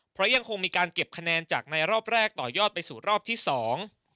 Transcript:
เพราะยังคงมีการเก็บคะแนนจากในรอบแรกต่อยอดไปสู่รอบที่สอง